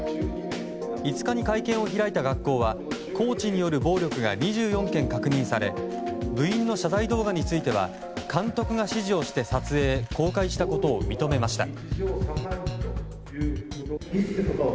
５日に会見を開いた学校はコーチによる暴力が２４件確認され部員の謝罪動画については監督が指示をして撮影公開したことを認めました。